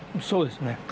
そうですね。